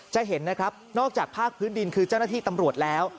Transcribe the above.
จะเห็นนะครับนอกจากภาคพื้นดินคือเจ้าหน้าที่ตำรวจแล้ว